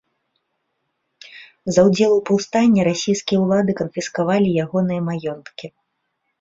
За ўдзел у паўстанні расійскія ўлады канфіскавалі ягоныя маёнткі.